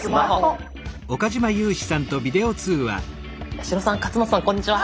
八代さん勝俣さんこんにちは。